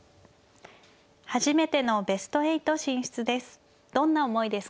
初めてのベスト８進出です。